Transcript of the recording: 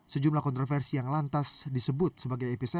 sejumlah kontroversi yang lantas disebut sebagai episode